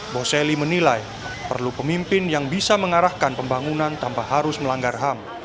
boseli menilai perlu pemimpin yang bisa mengarahkan pembangunan tanpa harus melanggar ham